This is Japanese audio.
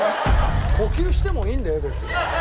呼吸してもいいんだよ別に。